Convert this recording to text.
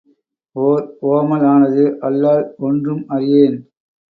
ஊர் ஓமல் ஆனது அல்லால் ஒன்றும் அறியேன்.